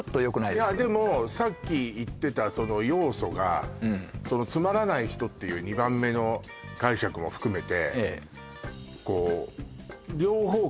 いやでもさっき言ってたその要素が「つまらない人」っていう２番目の解釈も含めてこうだなとは思う